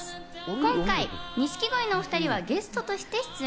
今回、錦鯉のお２人はゲストとして出演。